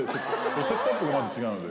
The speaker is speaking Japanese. セットアップがまず違うので。